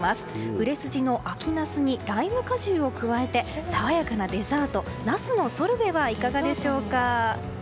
売れ筋の秋ナスにライム果汁を加えて爽やかなデザートナスのソルベはいかがでしょうか。